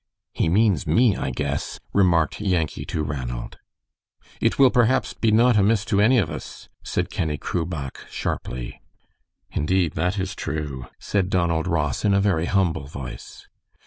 "He means me, I guess," remarked Yankee to Ranald. "It will perhaps be not amiss to any of us," said Kenny Crubach, sharply. "Indeed, that is true," said Donald Ross, in a very humble voice.